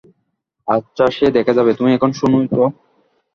আচ্ছা সে দেখা যাবে, তুমি এখন শোনোই তো।